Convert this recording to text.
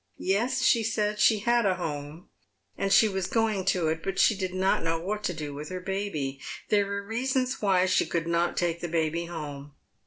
Yes, she said, she had a home, and she was going to it, but she did not know U'hat to do with her baby. There were reasons why she could not take the baby home.